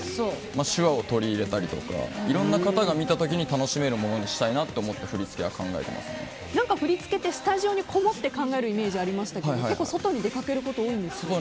手話を取り入れたりとかいろんな方が見た時に楽しめるものにしたいなと思って振り付けは振り付けってスタジオにこもって考えるイメージありましたけど結構、外に出かけること多いんですか？